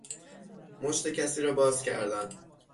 مشت کسی را باز کردن